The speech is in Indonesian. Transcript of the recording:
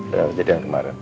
dari kejadian yang kemarin